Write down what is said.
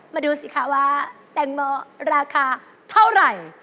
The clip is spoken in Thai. ดูสิคะว่าแตงโมราคาเท่าไหร่